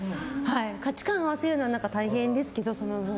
価値観を合わせるのは大変ですけど、その分。